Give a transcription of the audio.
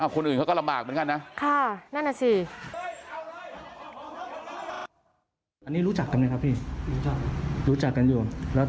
คนอื่นเขาก็ลำบากเหมือนกันนะ